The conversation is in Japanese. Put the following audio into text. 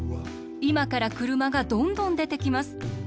いまから車がどんどんでてきます。